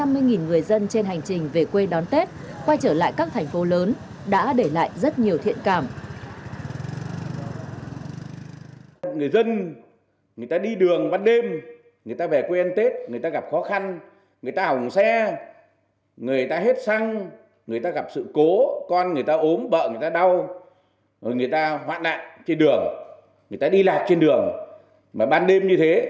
tất cả những người dân trên hành trình về quê đón tết quay trở lại các thành phố lớn đã để lại rất nhiều thiện cảm